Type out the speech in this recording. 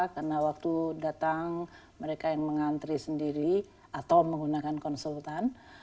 karena waktu datang mereka yang mengantri sendiri atau menggunakan konsultan